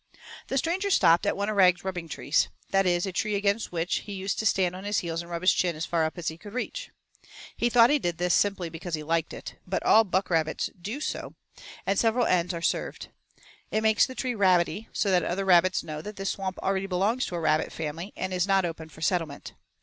The stranger stopped at one of Rag's rubbing trees that is, a tree against which he used to stand on his heels and rub his chin as far up as he could reach. He thought he did this simply because he liked it; but all buckrabbits do so, and several ends are served. It makes the tree rabbity, so that other rabbits know that this swamp already belongs to a rabbit family and is not open for settlement.